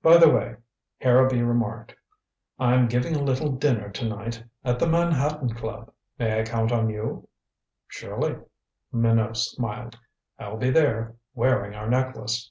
"By the way," Harrowby remarked, "I'm giving a little dinner to night at the Manhattan Club. May I count on you?" "Surely," Minot smiled. "I'll be there, wearing our necklace."